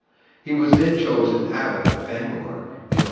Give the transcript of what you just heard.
He was then chosen Abbot of Bangor, in 1123.